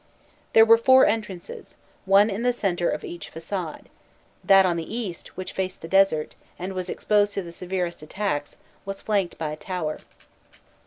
There were four entrances, one in the centre of each façade: that on the east, which faced the desert, and was exposed to the severest attacks, was flanked by a tower.